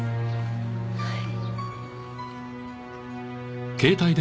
はい。